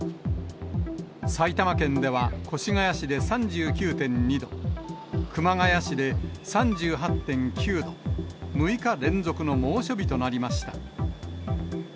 埼玉県では越谷市で３９．２度、熊谷市で３８．９度、６日連続の猛暑日となりました。